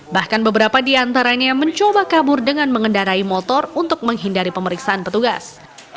bahkan beberapa di antaranya mencoba kabur dengan mengendarai motor untuk menghindari pemeriksaan petugas